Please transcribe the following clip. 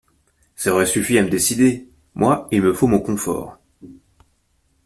ça aurait suffi à me décider. Moi, il me faut mon confort.